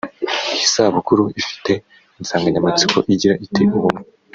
Iyi sabukuru ifite insanganyamatsiko igira iti “Ubumwe